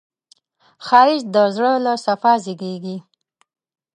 ښایست د زړه له صفا زېږېږي